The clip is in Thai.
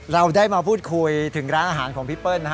เราได้มาพูดคุยถึงร้านอาหารของพี่เปิ้ลนะฮะ